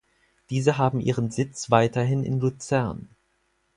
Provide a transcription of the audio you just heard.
Diese haben ihren Sitz weiterhin in Luzern.